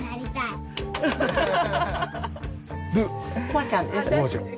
おばあちゃんです。